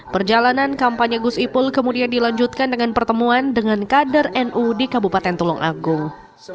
perjalanan kampanye gus ipul kemudian dilanjutkan dengan pertemuan dengan kader nu di kabupaten tulung agung